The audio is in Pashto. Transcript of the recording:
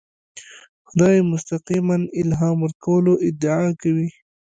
خدای مستقیماً الهام ورکولو ادعا کوي.